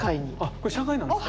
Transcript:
これ社会なんですか？